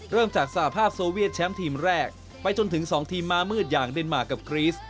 เริ่มจากสหภาพโซเวียตแชมป์ทีมแรกไปจนถึง๒ทีมม้ามืดอย่างเดนมาร์กับกรีส